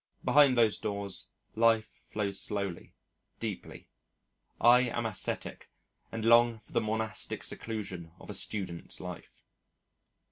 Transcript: Behind those doors, life flows slowly, deeply. I am ascetic and long for the monastic seclusion of a student's life.